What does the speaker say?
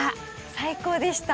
最高でした。